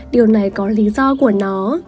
điều này có lý do của nó